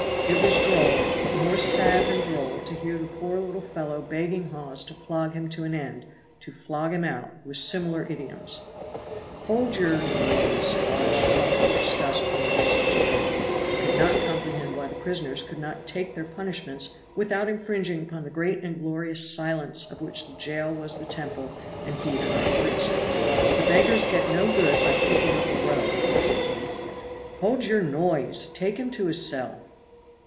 It was droll, but more sad than droll to hear the poor little fellow begging Hawes to flog him to an end, to flog him out; with similar idioms. "Hold your [oath] noise!" Hawes shrunk with disgust from noise in his prison, and could not comprehend why the prisoners could not take their punishments without infringing upon the great and glorious silence of which the jail was the temple and he the high priest. "The beggars get no good by kicking up a row," argued he. "Hold your noise! take him to his cell!"